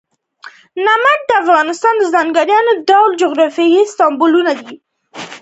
نمک د افغانستان د ځانګړي ډول جغرافیه استازیتوب کوي.